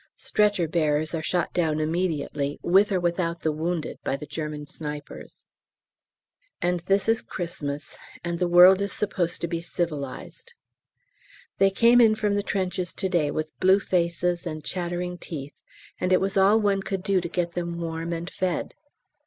Stretcher bearers are shot down immediately, with or without the wounded, by the German snipers. And this is Christmas, and the world is supposed to be civilised. They came in from the trenches to day with blue faces and chattering teeth, and it was all one could do to get them warm and fed.